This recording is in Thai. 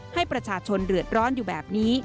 ให้ประชาชนเดือดร้อนอยู่แบบนี้